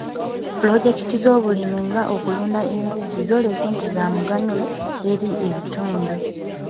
Pulojekiti z'obulimi nga okulunda embizzi zoolese nti za muganyulo eri ebitundu.